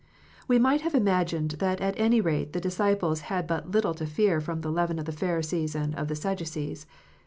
We might have imagined that at any rate the disciples had but little to fear from the " leaven of the Pharisees and of the Sadducees."